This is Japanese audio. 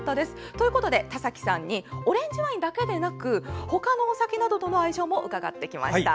ということで田崎さんにオレンジワインだけでなく他のお酒などとの相性も伺ってきました。